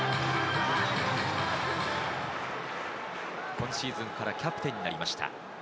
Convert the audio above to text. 今シーズンからキャプテンになりました。